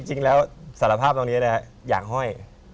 จริงแล้วสารภาพตรงนี้นะครับอยากห้อย